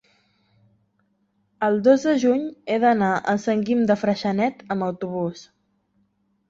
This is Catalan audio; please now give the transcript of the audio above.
el dos de juny he d'anar a Sant Guim de Freixenet amb autobús.